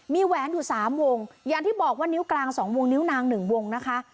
มีแหวนอยู่๓วงอย่างที่บอกว่านิ้วกลาง๒วงนิ้วนางหนึ่งวงนะคะ